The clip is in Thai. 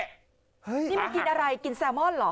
เฮ้ยนี่มันกินอะไรกินแซลมอนเหรอ